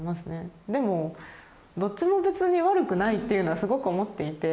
でもどっちも別に悪くないっていうのはすごく思っていて。